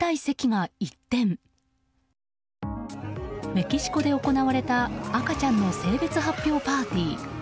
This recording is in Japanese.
メキシコで行われた赤ちゃんの性別発表パーティー。